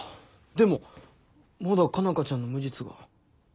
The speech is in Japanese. でもまだ佳奈花ちゃんの無実が。